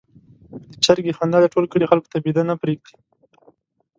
د چرګې خندا د ټول کلي خلکو ته بېده نه پرېږدي.